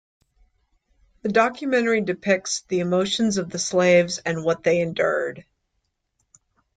The documentary depicts the emotions of the slaves and what they endured.